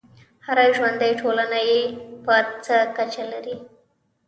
هره ژوندی ټولنه یې په څه کچه لري.